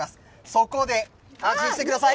そこで安心してください。